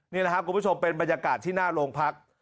นี่แหละครับคุณผู้ชมเป็นบรรยากาศที่หน้าโรงพัก